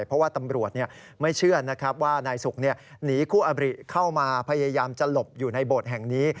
เพราะว่าตำรวจไม่เชื่อนะครับว่านายสุกหนีคู่อบริเข้ามาพยายามจะหลบอยู่ในโบสถ์แห่งนี้